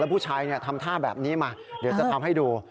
ผู้ชายทำท่าแบบนี้มาเดี๋ยวจะทำให้ดู